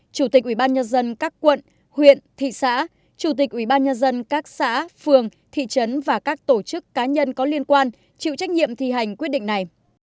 chủ tịch ủy ban nhân dân các quận huyện thị xã chủ tịch ủy ban nhân dân các xã phường thị trấn và các tổ chức cá nhân có liên quan chịu trách nhiệm thi hành quyết định này